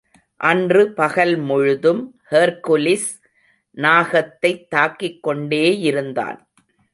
அன்று பகல் முழுதும் ஹெர்க்குலிஸ் நாகத்தைத் தாக்கிக்கொண்டேயிருந்தான்.